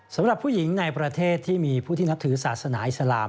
สำหรับผู้หญิงในประเทศที่มีผู้ที่นับถือศาสนาอิสลาม